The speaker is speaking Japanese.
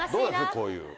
こういう。